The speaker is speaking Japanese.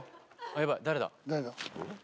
ヤバい誰だ？